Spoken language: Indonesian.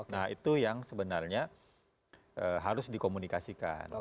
nah itu yang sebenarnya harus dikomunikasikan